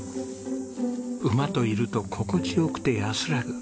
馬といると心地よくて安らぐ。